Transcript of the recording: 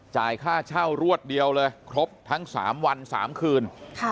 จ่ายค่าเช่ารวดเดียวเลยครบทั้ง๓วัน๓คืน